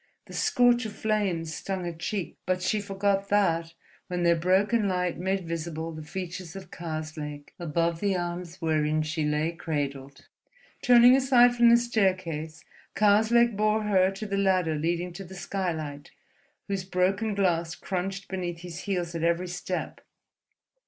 The scorch of flames stung her cheek, but she forgot that when their broken light made visible the features of Karslake above the arms wherein she lay cradled. Turning aside from the staircase, Karslake bore her to the ladder leading to the skylight, whose broken glass crunched beneath his heels at every step.